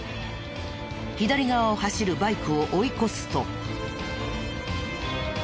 左側を走るバイクを追い越すと。